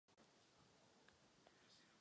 Jsem zde, abych vyslechl názory Parlamentu.